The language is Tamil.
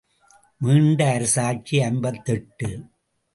மீண்ட அரசாட்சி ஐம்பத்தெட்டு.